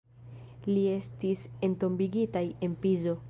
Ili estis entombigitaj en Pizo.